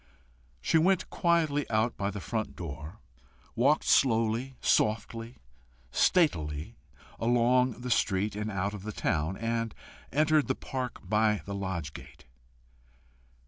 She went quietly out by the front door, walked slowly, softly, statelily along the street and out of the town, and entered the park by the lodge gate.